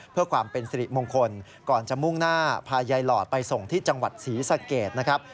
เพื่อความเป็นสิริมงคลก่อนจะมุ่งหน้าพายายหลอดไปส่งที่จังหวัดศรีสะเกดนะครับ